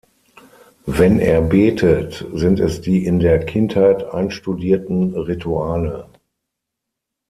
Wenn er betet, sind es die in der Kindheit einstudierten Rituale.